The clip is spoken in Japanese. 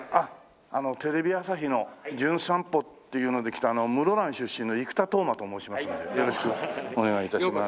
テレビ朝日の『じゅん散歩』っていうので来た室蘭出身の生田斗真と申しますのでよろしくお願い致します。